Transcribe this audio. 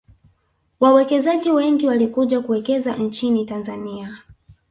wawekezaji wengi walikuja kuwekeza nchin tanzania